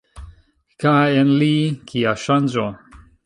Kaj en li, kia ŝanĝo!